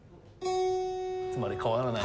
つまり変わらない。